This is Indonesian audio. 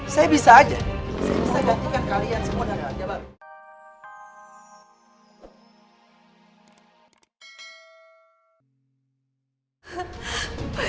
saya bisa saja saya bisa gantikan kalian semua dengan harga baru